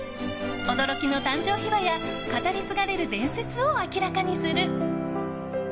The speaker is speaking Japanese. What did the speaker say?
驚きの誕生秘話や語り継がれる伝説を明らかにする。